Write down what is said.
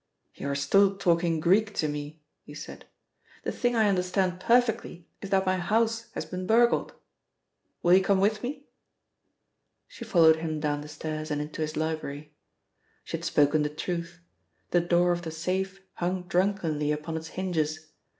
"You are still talking Greek to me," he said. "The thing I understand perfectly is that my house has been burgled. Will you come with me?" She followed him down the stairs and into his library. She had spoken the truth. The door of the safe hung drunkenly upon its hinges.